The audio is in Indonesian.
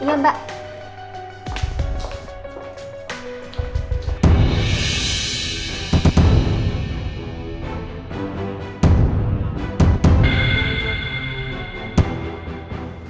mak aku tunggu di luar